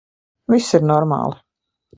Viss ir normāli.